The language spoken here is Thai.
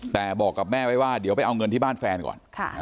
แต่บอกกับแม่ไว้ว่าเดี๋ยวไปเอาเงินที่บ้านแฟนก่อน